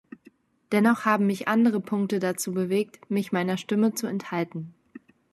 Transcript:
Dennoch haben mich andere Punkte dazu bewegt, mich meiner Stimme zu enthalten.